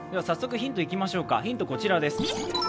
早速、ヒントいきましょうかヒント、こちらです。